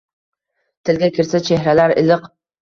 Tilga kirsa, chehralar iliq.